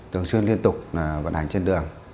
thường xuyên liên tục vận hành trên đường